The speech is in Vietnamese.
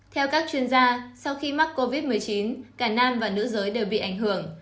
theo các chuyên gia sau khi mắc covid một mươi chín cả nam và nữ giới đều bị ảnh hưởng